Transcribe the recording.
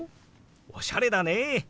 おしゃれだね」。